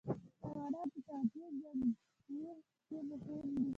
حیوانات د تغذیې زنجیر کې مهم دي.